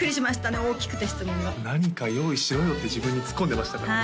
大きくて質問が何か用意しろよって自分にツッコんでましたからね